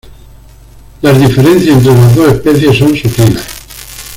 Las diferencias entra las dos especies son sutiles.